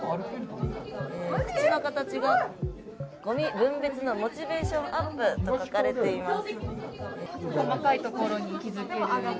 口の形がゴミ分別のモチベーションアップと書かれています。